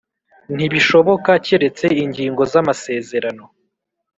Ntibishoboka keretse ingingo z amasezerano